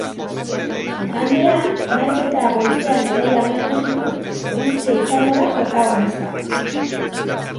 Igandean, nahiz eta goizean hodeiak nagusitu, eguzkia izango da protagonista.